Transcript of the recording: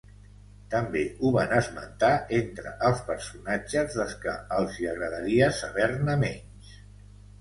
També ho van esmentar entre els personatges dels que els hi agradaria saber-ne menys.